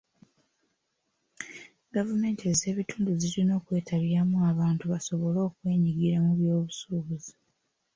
Gavumenti ez'ebitundu zirina okwetabyamu abantu basobole okwenyigira mu by'obusuubuzi.